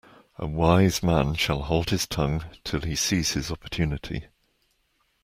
A wise man shall hold his tongue till he sees his opportunity.